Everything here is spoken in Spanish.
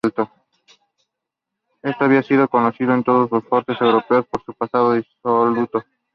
Este había sido conocido en todas las cortes europeas por su pasado disoluto.